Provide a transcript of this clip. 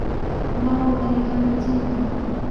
ما وويل دا نو څنگه.